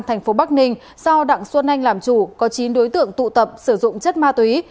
thành phố bắc ninh do đặng xuân anh làm chủ có chín đối tượng tụ tập sử dụng chất ma túy